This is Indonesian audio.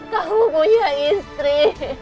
kamu punya istri